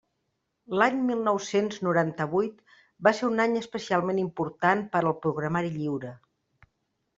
L'any mil nou-cents noranta-vuit va ser un any especialment important per al programari lliure.